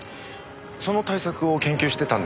その対策を研究してたんですよね